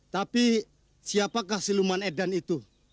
tapi siapakah siluman edan itu